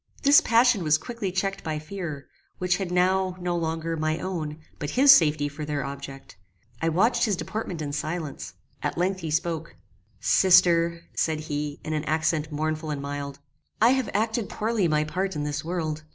This passion was quickly checked by fear, which had now, no longer, my own, but his safety for their object. I watched his deportment in silence. At length he spoke: "Sister," said he, in an accent mournful and mild, "I have acted poorly my part in this world.